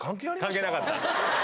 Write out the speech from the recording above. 関係なかった。